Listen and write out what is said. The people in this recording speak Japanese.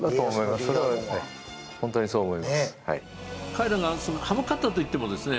彼らが歯向かったといってもですね